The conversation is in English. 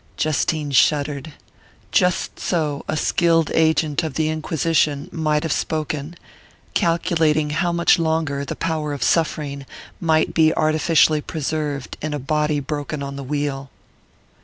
Justine shuddered. Just so a skilled agent of the Inquisition might have spoken, calculating how much longer the power of suffering might be artificially preserved in a body broken on the wheel....